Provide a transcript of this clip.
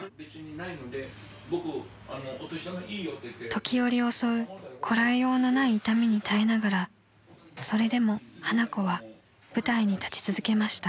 ［時折襲うこらえようのない痛みに耐えながらそれでも花子は舞台に立ち続けました］